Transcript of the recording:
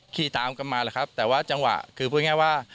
ขี่ตามกันมาแล้วครับแต่ว่าจังหวะคือพูดง่ายว่า